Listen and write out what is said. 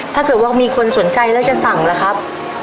ถ้าเกิดว่ามีคนสนใจแล้วจะสั่งล่ะครับ